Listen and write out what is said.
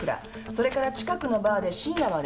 それから近くのバーで深夜まで飲んだ」